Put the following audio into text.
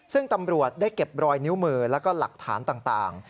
ซึ่งตำรวจได้เก็บรอยนิ้วมือแล้วก็หลักฐานต่าง